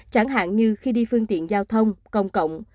chẳng hạn như khi đi phương tiện giao thông công cộng